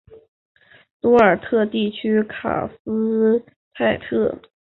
多尔特地区卡斯泰特。